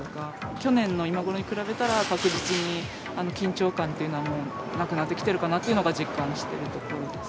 去年の今ごろに比べたら、確実に緊張感っていうのは、もうなくなってきてるかなっていうのが、実感しているところです。